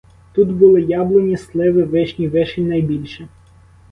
Тут були яблуні, сливи, вишні, — вишень найбільше.